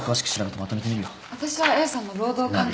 私はＡさんの労働環境。